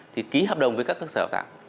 thì ký hợp đồng với các cơ sở đào tạo